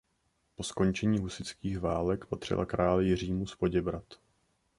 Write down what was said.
Po skončení husitských válek patřila králi Jiřímu z Poděbrad.